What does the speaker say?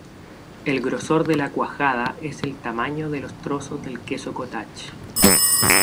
El grosor de la cuajada es el tamaño de los trozos del queso "cottage".